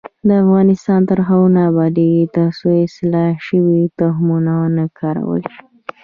افغانستان تر هغو نه ابادیږي، ترڅو اصلاح شوي تخمونه ونه کارول شي.